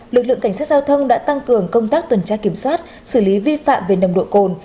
lực lượng cảnh sát giao thông đã tăng cường công tác tuần tra kiểm soát xử lý vi phạm về nồng độ cồn